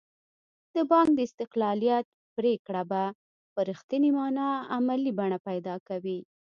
د بانک د استقلالیت پرېکړه به په رښتینې معنا عملي بڼه پیدا کوي.